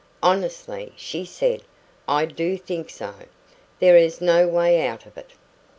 "Honestly," she said, "I do think so. There is no way out of it."